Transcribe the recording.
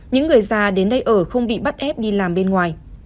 những người già đến đây ở không bị bắt ép đi làm bên ngoài